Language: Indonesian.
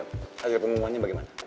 akhirnya pengumumannya bagaimana